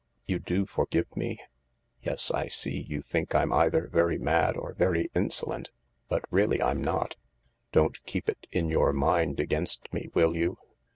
You do forgive me ? Yes, I see you think I'm either very mad or very insolent, but really I'm not. Don't keep it in your mind against me, will you